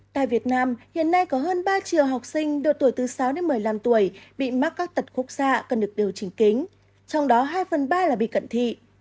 tại việt nam hiện nay có hơn ba triệu học sinh độ tuổi từ sáu đến một mươi năm tuổi bị mắc các tật khúc xạ cần được điều chỉnh kính trong đó hai phần ba là bị cận thị